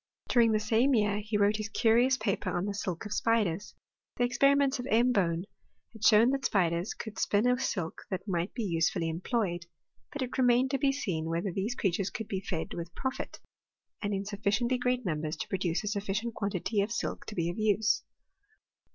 tmOBT in CHEMISTRt. 375 During the same year, he wrote his curious paper on the silk of spiders* The experiments of M. Bohn had shown that spiders could spin a silk that might he usefully employed. But it remained to be seen whether these creatures could be fed with profit, and in sufficiently great numbers to produce a sufficient quantity of silk to be of use.